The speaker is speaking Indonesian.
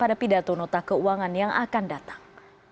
jadi ini adalah keuangan yang akan datang